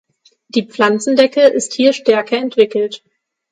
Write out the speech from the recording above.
Die Pflanzendecke ist hier stärker entwickelt.